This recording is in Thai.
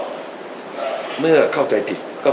ก็ไม่เชื่อก็มีวิธีการอื่นที่เขาจะดำเนินการต่อไป